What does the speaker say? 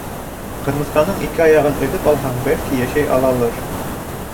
Ҡырмыҫҡаның ике аяғын өҙөп алһаң, бәлки, йәшәй алалыр.